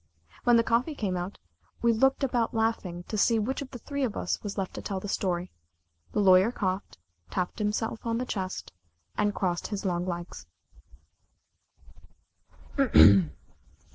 When the coffee came out, we looked about laughing to see which of the three of us left was to tell the story. The Lawyer coughed, tapped himself on his chest, and crossed his long legs.